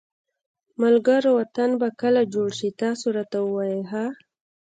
ملګروو وطن به کله جوړ شي تاسو راته ووایی ها